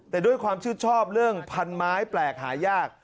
แต่ด้วยความชื่นชอบเรื่องพันไม้แปลกหายาก